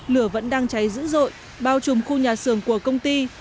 lửa vẫn đang cháy dữ dội bao trùm khu nhà xưởng của công ty